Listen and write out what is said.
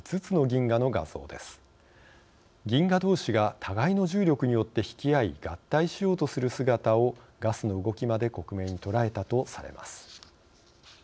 銀河どうしが互いの重力によって引き合い合体しようとする姿をガスの動きまで克明に捉えたとされます。